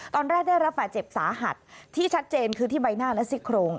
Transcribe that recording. ตอนแรกได้รับบาดเจ็บสาหัสที่ชัดเจนคือที่ใบหน้าและซี่โครง